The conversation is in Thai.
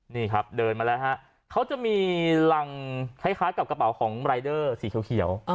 นี่ครับเดินมาแล้วฮะเขาจะมีรังคล้ายกับกระเป๋าของรายเดอร์สีเขียว